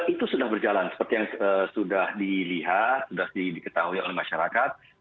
itu sudah berjalan seperti yang sudah dilihat sudah diketahui oleh masyarakat